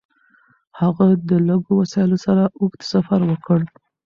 هغه د لږو وسایلو سره اوږد سفر وکړ.